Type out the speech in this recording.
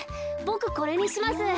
ボクこれにします。